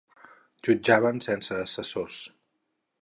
Jutjaven sense assessors.